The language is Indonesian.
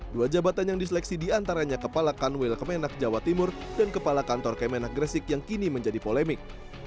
dua jabatan yang diseleksi diantaranya kepala kanwil kemenak jawa timur dan kepala kantor kemenak gresik yang kini menjadi polemik